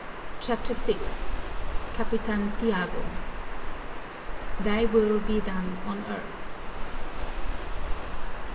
CHAPTER VI Capitan Tiago Thy will be done on earth.